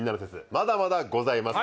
まだまだございます